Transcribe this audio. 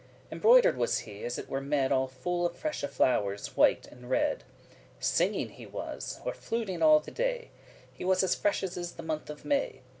Embroider'd was he, as it were a mead All full of freshe flowers, white and red. Singing he was, or fluting all the day; He was as fresh as is the month of May.